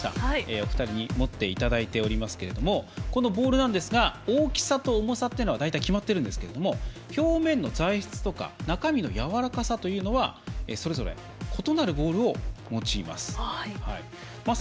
お二人に持っていただいておりますがこのボールなんですが大きさと重さは大体決まっているんですけれども表面の材質とか中身のやわらかさというのはそれぞれ異なるボールを用います。